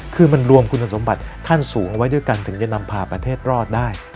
คือมันรวมคุณสมบัติขั้นสูงเอาไว้ด้วยกันถึงจะนำพาประเทศรอดได้